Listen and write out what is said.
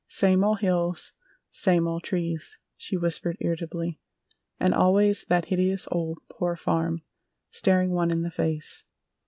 "Same old hills! Same old trees!" she whispered irritably. "And always that hideous old Poor Farm staring one in the face!